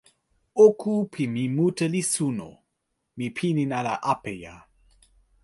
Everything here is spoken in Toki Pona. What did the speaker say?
oko pi mi mute li suno. mi pilin ala apeja.